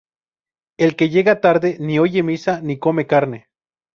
El que llega tarde, ni oye misa ni come carne